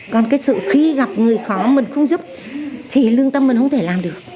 còn cái sự khi gặp người khó mình không giúp thì lương tâm mình không thể làm được